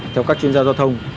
theo các chuyên gia giao thông